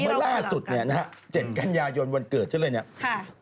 เมื่อล่าสุดเนี่ยนะฮะเจ็ดกัญญายนวันเกิดใช่ไหมเนี่ย